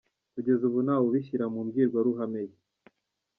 Kugeza ubu nta we ubishyira mu mbwirwaruhame ye.